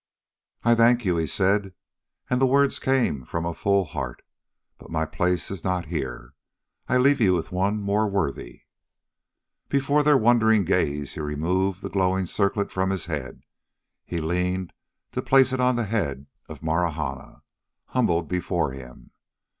"I thank you," he said, and the words came from a full heart, "but my place is not here. I leave with you one more worthy." Before their wondering gaze he removed the glowing circlet from his head; he leaned to place it on the head of Marahna, humbled before him.